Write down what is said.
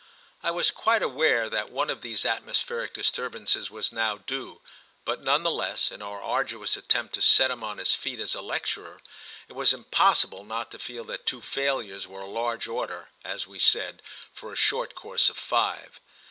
I was quite aware that one of these atmospheric disturbances was now due; but none the less, in our arduous attempt to set him on his feet as a lecturer, it was impossible not to feel that two failures were a large order, as we said, for a short course of five.